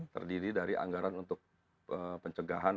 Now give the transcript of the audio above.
terdiri dari anggaran untuk pencegahan